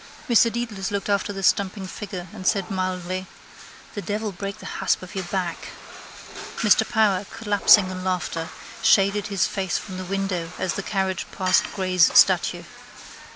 Mr Dedalus looked after the stumping figure and said mildly: —The devil break the hasp of your back! Mr Power, collapsing in laughter, shaded his face from the window as the carriage passed Gray's statue.